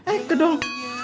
eh ke dong